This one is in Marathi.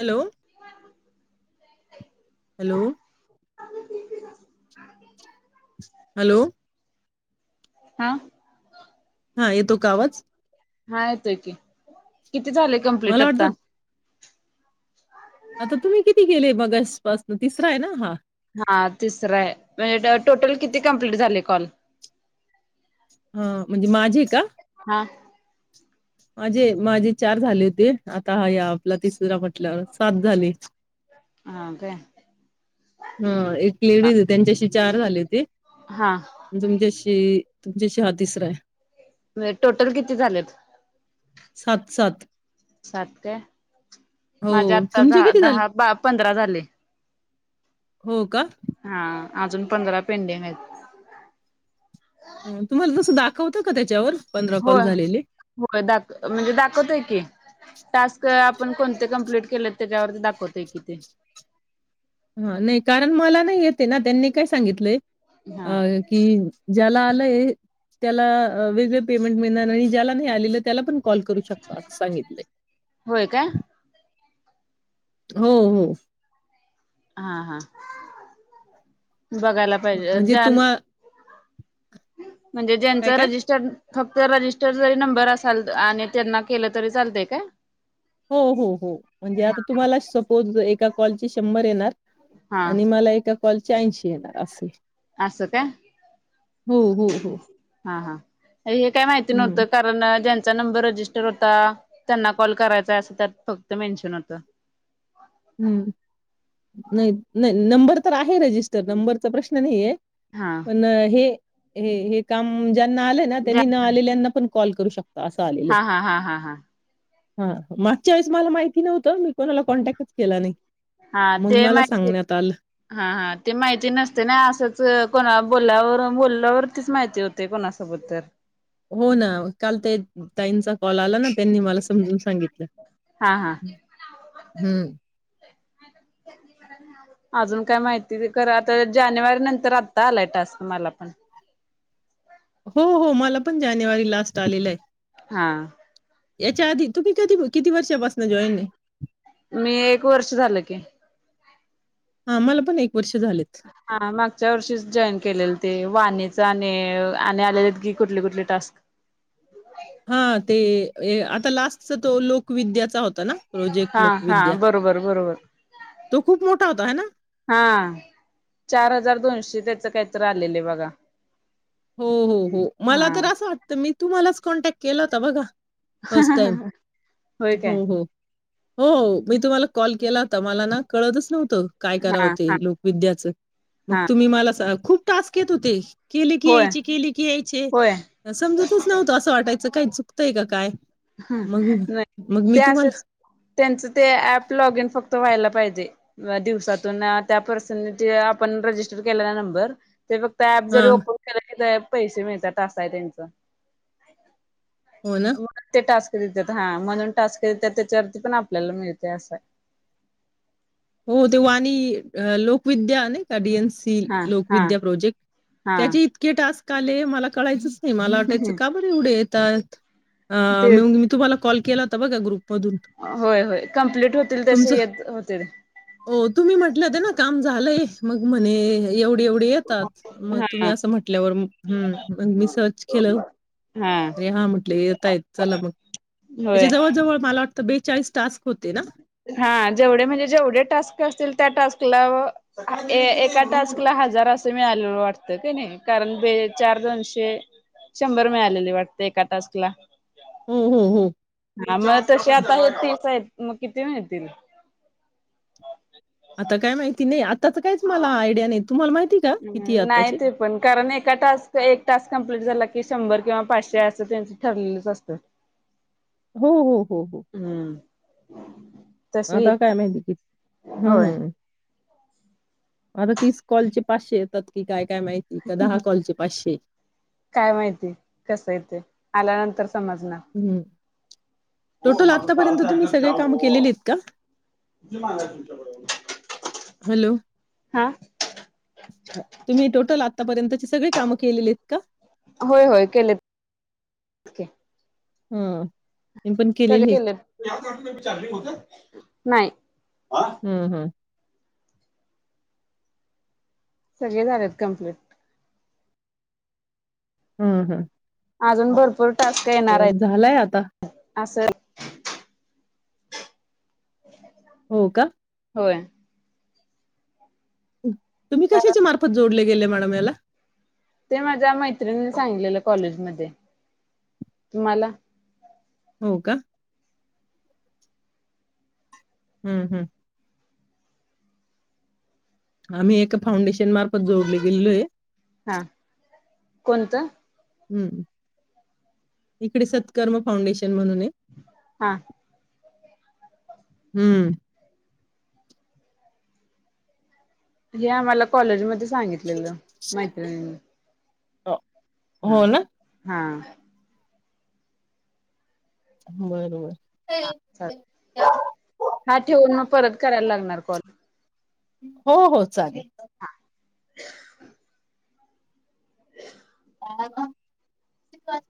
हॅलो हॅलो हॅलो हा हा, येतो का आवाज? हा येतोय कि किती झाले कमप्लीट मला आत्ता वाटतं आता तुम्ही किती गेले मगास पासन तिसरा हायं ना हा हा तिसरां हायं [unintelligible] टोटल किती कंप्लीट झाले कॉल? हा म्हणजे माझी का हा माझे माझे चार झाले होते. आता हा या आपला तिसरा म्हटल्यावर सात झाले. हा काय हा एक लेडीज हे त्यांच्याशी चार झाले हुते हा अन तुमच्याशी तुमच्याशी हा तिसराय [unintelligible] टोटल किती झाल्यात सात सात सात काय माझे आत्ता तुमचे झा किती झाले? दहा बा पंधरा झाले हो का हा अजून पंधरा पेंडिंग हायत हुं तुम्हाला तस दाखवत का त्याच्यावर कॉल होय झालेले? होय दाख म्हणजे दाखवतय कि टास्क आपण कोणते कम्प्लीट केलेत त्याच्यावरती दाखवतय कि ते हा नाई कारण मला नाई येते ना त्यांनी काय सांगितलंय अ हा की ज्याला आलंय त्याला वेगळ पेमेंट मिळणार आणि ज्याला नाही आलेलं त्याला पण कॉल करू शकता अस सांगितलय होय काय हो हो हा हा बघायला हं. पायजे म्हणजे ज्यान तुम्हा म्हणजे काय ज्यांचा काय रजिस्टर फक्त रजिस्टर जरी नंबर असाल आणि त्यांना केल तरी चालतय काय? हो हो हो म्हणजे आता तुम्हाला स [unintelligible] एका कॉलचे शंभर येणार हा आणि मला एका - - कॉलच्या ऐंशी येता असय अस हो काय हो हा हा हे काय माहिती हम्म नव्हतं कारण ज्या चा नंबर रजिस्टर होता त्यांना कॉल करायचाय, अस त्यात फक्त मेन्शन होत. हम्म नही नही नंबर तर आहे रजिस्टर, नंबरचा प्रश्न नाहीये हा पण हे हे हे काम मुंज्यात ना आलय त्यांनी न आलेल्यांना पण कॉल करू शक हा हा हा हा हा हां मागच्यावेळीस मला माहिती नवतं मी कोणाला कॉन्टॅक केला नाही हा मग ते मला माहिती, सांगण्यात आलं. हा हा ते माहिती नसते ना असंच कोणा बोलावर बोलल्यावरतीच माहिती होते कोणासोबत तर हो ना काल ते ताईंचा कॉल आला ना, त्यांनी मला सां समजून सांगितलं. हा हा हुं अजून काय माहिती? खरं आता जानेवारी नंतर आत्ता आलाय टास्क मला पण. हो हो मला पण जानेवारी लास्ट आलेलं आहे हा याच्या आधी तुम्ही कधी किती वर्षापसन मी एक वर्ष झालं की आम्हाला पण एक हा हा मागच्या वर्षीच जॉईन केलेलं. ते वाणीचं आणि आणि आल्याल्यात की कुठले कुठले टास्क. हां, ते ए लास्टचा तो लोक विद्या चा होता ना प्रोजेक्ट हा हा लोकविद्या बरोबर बरोबर तो खूप मोठा होता है ना? हा चार हजार दोनशे त्याच कायतर आलेले बघा. हो हो हो हा मला तर असं वाटतं, मी तुम्हालाच कॉन्टॅक्ट केलं हा बघा फर्स्ट टाईम होय काय हो हो हो हो मी तुम्हाला कॉल केलाता मला ना कळतच नव्ह त काय कराव हा ते हा लोकविद्याच मग हा तुम्ही मला खूप टास्क येत होते. की होय यायची केली की यायचे होय समजतच नव्हतं असं वाटाय च काय चुकतंय का काय? हं मग मग नाही मी ते तुम्हाला असेच त्यांच ते ऍप लॉग इन फक्त व्हायला पाहिजे दिवसातून त्या पर्सनने ते आपण रजिस्टर केलेला नंबर ते फक्त ॲप जरी हां, ओपन केला की [unintelligible] पैसे मिळतात असं हाय त्यांच हो ना? टास्क देत्यात हा म्हणून टास्क देत्यात त्याच्यावरती पण आपल्याला मिळतंय अस हाय हो ते वाणी अ लोकविद्या नाही का डी एन सी सी हा हा लोकविद्या प्रोजेक्ट हा त्याचे इतके टास्क काॅल हे मला कळायचंच नाही मला वाटायचं का बर एवढं आहेत? त्यात हा तेच मग मी तुम्हाला कॉल केलावता बघ ग्रुप होय होय कंप्लीट होतील तसे येत होतील. हो तुम्ही म्हटलं होते ना काम झालंय, मग म्हणे एवढं एवढे येतात, मग तुम्ही हा असं म्हटल्यावर हं मग मी सर्च केलं. हा अरे हा म्हटलं येतायत चला मग होय त्याच्या जवळ जवळ मला वाट तर बेचाळीस टास्क होते ना? हा जेवढे म्हणजे जेवढे टास्क असतील त्या टास्कला ए एका टास्कला हजार अस मिळालेल वाटत की नई? कारण बे चार दोनशे शंभर मिळालेले वाटते एका टास्कला? हम्म, हम्म, हम्म. हा मग तशी आता होतेच आहेत. मग किती मिळतील? आता काय माहिती नाही आ त्याचं काहीच मला आयडिया नाही. तुम्हाला माहिती का किती आहे नाही आत्ताचे? ते पण कारण एका टास्क एक टास्क कं [inaudible] झालं की शंभर किंवा पाचशे अस त्यांच ठरलेलंच असतं. हो.. हो.. हो.. हो.. हम्म. तस येत आता काय माहिती किती? होय हम्म् आता तीस कॉलचे पाशे येतात की काय? काय माहिती का दहा कॉलजचे पाचशे. काय माहिती कस आहे? ते आल्यानंतर समजण हं. ओ टोटल माझा काळा आत्तापर्यंत तुम्ही चार्जर द्या सगळे कामं ओ केलेली आहेत का? किती मागायचं तुमच्याकडं हॅलो. हा हं, तुम्ही टोटल आत्तापर्यंतची सगळी कामं केलेली आहेत का? होय होय केलेत हम्म सगळे केलेत [unintelligible] चार्जिंग होतयं. नाई हुं हम्म सगळे झालेत कंप्लीट हम्म हम्म अजून भरपूर तर झालाय आता. असलं हो का? होय हम् तुम्ही कारण कशाच्या मार्फत जोडले. गेले मॅडमेला ते माझ्या मैत्रिनीन सांगितलेलं कॉलेज मध्ये तुम्हाला हो का हं हम्म आम्ही एका फाउंडेशन मार्फत जोडले गेलेलो हाय. हा कोणतं? हम्म इकडे सत्कर्म फाउंडेशन [unintelligible] म्हणू णे हा हम्म हे आम्हाला कॉलेजमध्येच - - सांगितलेलं मैत्रिणीनी हो ह हो ना? हा बरबर हा चालं- - हा ठेवून मग परत करायला लागणार कॉल हो हो चालेल. ह [unintelligible] हाय ना ती पाच